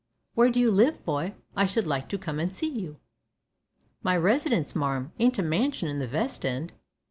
"Where do you live, boy? I should like to come and see you." "My residence, marm, ain't a mansion in the vest end.